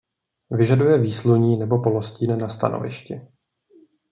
Vyžaduje výsluní nebo polostín na stanovišti.